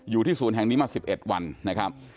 อยู่ที่ศูนย์แห่งนี้มา๑๑วันนะครับ